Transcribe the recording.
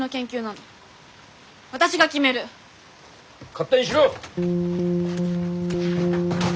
勝手にしろ！